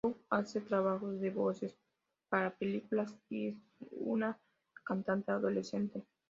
Young hace trabajos de voces para películas, y es una cantante adolescente.